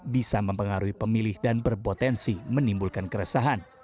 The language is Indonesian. bisa mempengaruhi pemilih dan berpotensi menimbulkan keresahan